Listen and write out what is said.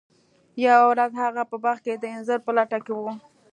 یوه ورځ هغه په باغ کې د انځر په لټه کې و.